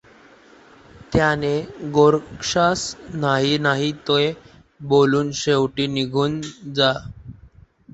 त्याने गोरक्षास नाही नाही ते बोलून शेवटी निघून जा.